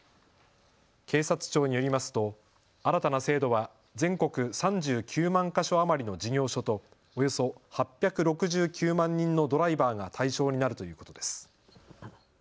警察庁によりますと新たな制度は全国３９万か所余りの事業所とおよそ８６９万人のドライバーが対象になるということです。